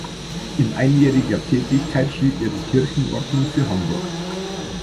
In einjähriger Tätigkeit schrieb er die Kirchenordnung für Hamburg.